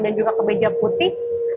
dan juga kemeja putih